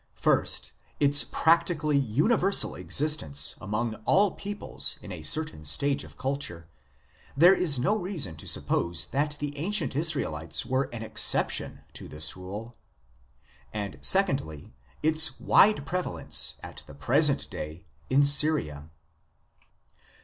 First, its practically universal existence among all peoples in a certain stage of culture ; there is no reason to suppose that the ancient Israelites were an exception to the rule. And secondly, its wide prevalence at the present day in Syria.